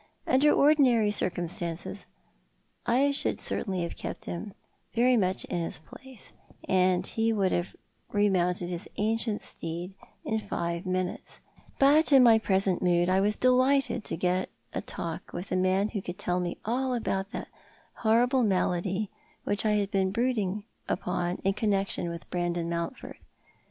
Under ordinary circumstances I should certainly have kept him very much in his place, and he would have remounted his ancient steed in live minutes ; but in my present mood I was delighted to get a talk with a man who could tell me all about that horrible malady which I had been brooding upon in connection with Brandon Mount ford.